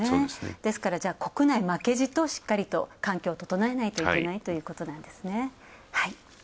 ですから、国内負けじと、しっかりと環境を整えないといけないということなんですね。